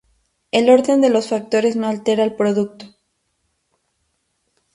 el orden de los factores no altera el producto